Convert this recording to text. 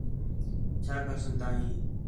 چَھا کر سڳدا ہیں